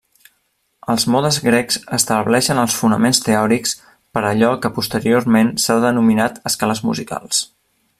Els modes grecs estableixen els fonaments teòrics per allò que posteriorment s'ha denominat escales musicals.